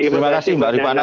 terima kasih mbak ripana